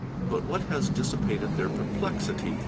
But what has dissipated their per | jlexity